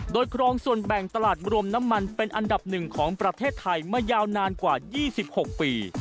โดยครองส่วนแบ่งตลาดรวมน้ำมันเป็นอันดับหนึ่งของประเทศไทยมายาวนานกว่า๒๖ปี